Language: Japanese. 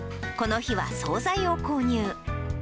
この日は総菜を購入。